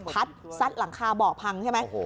พัดซัดหลังคาเบาะพังใช่ไหมโอ้โห